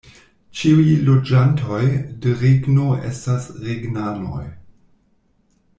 Ĉiuj loĝantoj de regno estas regnanoj.